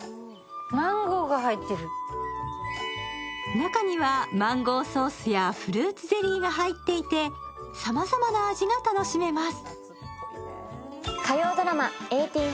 中にはマンゴーソースやフルーツゼリーが入っていて、さまざまな味が楽しめます。